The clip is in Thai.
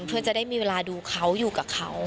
เพื่อจะได้มีเวลาดูเขาอยู่กับเขา